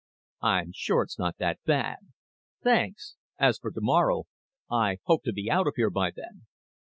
"I'm sure it's not that bad. Thanks. As for tomorrow, I hope to be out of here by then."